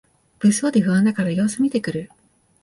物騒で不安だから様子みてくる